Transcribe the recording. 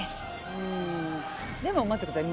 うんでも待ってください。